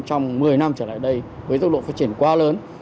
trong một mươi năm trở lại đây với tốc độ phát triển quá lớn